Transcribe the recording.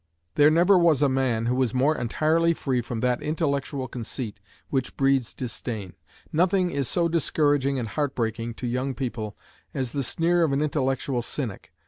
There never was a man who was more entirely free from that intellectual conceit which breeds disdain. Nothing is so discouraging and heart breaking to young people as the sneer of an intellectual cynic.